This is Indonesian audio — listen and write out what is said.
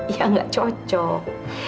ya nggak cocok